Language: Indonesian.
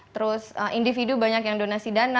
terus individu banyak yang donasi dana